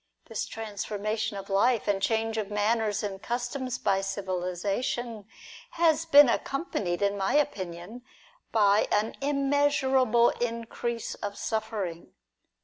This trans formation of life, and change of manners and customs by civilisation, has been accompanied, in my opinion, by an immeasurable increase of suffering.